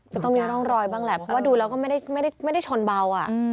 ก็ต้องมีร่องรอยบ้างแหละเพราะว่าดูแล้วก็ไม่ได้ชนเบา